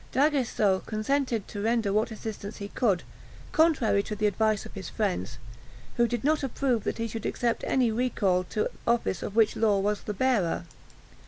D'Aguesseau consented to render what assistance he could, contrary to the advice of his friends, who did not approve that he should accept any recal to office of which Law was the bearer.